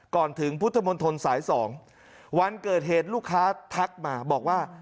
ก่อนถึงพุทธมนตรสาย๒วันเกิดเหตุลูกค้าทักมาบอกว่า